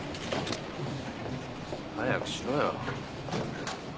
早くしろよ。